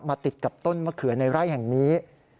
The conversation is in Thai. ติดกับต้นมะเขือในไร่แห่งนี้